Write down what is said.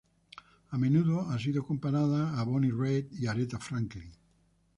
A menudo ha sido comparada a Bonnie Raitt y Aretha Franklin.